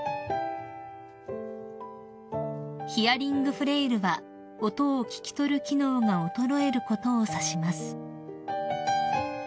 ［ヒアリングフレイルは音を聞き取る機能が衰えることを指します］